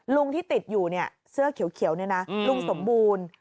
ลุงที่ติดอยู่เนี่ยเสื้อเขียวนี่นะลุงสมบูรณ์